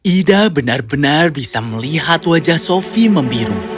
ida benar benar bisa melihat wajah sofi membiru